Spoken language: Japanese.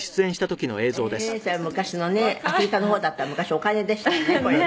「昔のねアフリカの方だったら昔お金でしたよねこれね」